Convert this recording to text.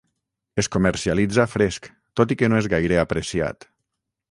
Es comercialitza fresc, tot i que no és gaire apreciat.